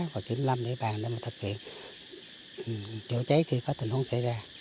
và kiểm lâm địa bàn để mà thực hiện chữa cháy khi có tình huống xảy ra